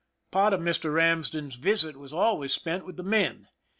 Part of Mr. Ramsden's visit was always spent with the men.